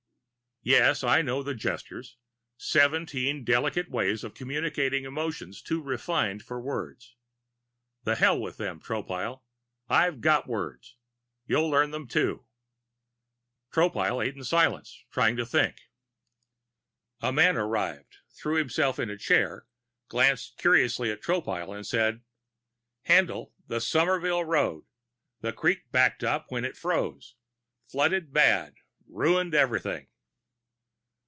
Yes, I do know the Gestures. Seventeen delicate ways of communicating emotions too refined for words. The hell with them, Tropile. I've got words. You'll learn them, too." Tropile ate silently, trying to think. A man arrived, threw himself in a chair, glanced curiously at Tropile and said: "Haendl, the Somerville Road. The creek backed up when it froze. Flooded bad. Ruined everything."